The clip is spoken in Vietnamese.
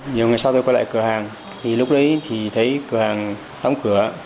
nhiều ngày sau tôi quay lại cửa hàng thì lúc đấy thì thấy cửa hàng đóng cửa